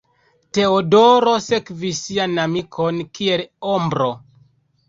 Teodoro sekvis sian amikon kiel ombro.